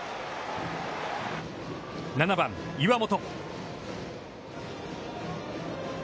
７番岩本。